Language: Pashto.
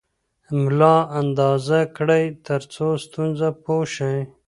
ملا اندازه کړئ ترڅو ستونزه پوه شئ.